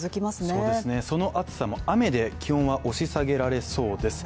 そうですね、その暑さも雨で気温は押し下げられそうです。